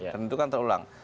dan itu kan terulang